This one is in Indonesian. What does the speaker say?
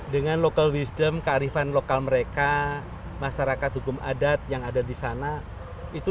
dengan local wisdom kearifan lokal mereka masyarakat hukum adat yang ada di sana itu